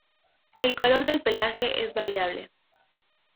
El color del pelaje es variable.